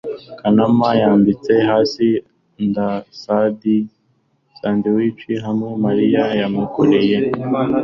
kamana yambitse hasi sandwich ham mariya yamukoreye